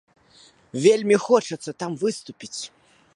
Вельмі хочацца там выступіць.